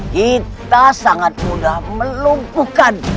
kita sangat mudah melumpuhkan